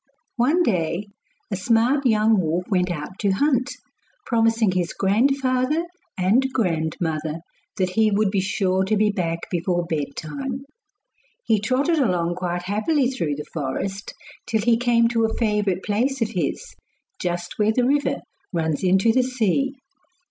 One day a smart young wolf went out to hunt, promising his grandfather and grandmother that he would be sure to be back before bedtime. He trotted along quite happily through the forest till he came to a favourite place of his, just where the river runs into the sea.